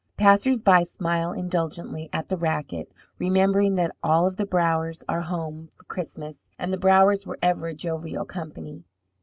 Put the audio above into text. Passers by smile indulgently at the racket, remembering that all the Browers are home for Christmas, and the Browers were ever a jovial company.